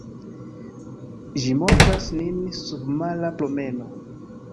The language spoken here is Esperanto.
Ĝi montras nin submara promeno.